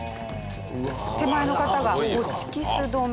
手前の方がホッチキス留め。